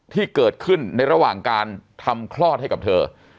ที่เกิดขึ้นในระหว่างการทำคลอดให้กับเธอ